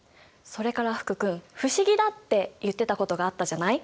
それから福君不思議だって言ってたことがあったじゃない？